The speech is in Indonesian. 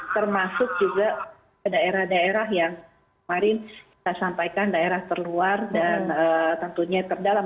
termasuk juga daerah daerah yang kemarin kita sampaikan daerah terluar dan tentunya terdalam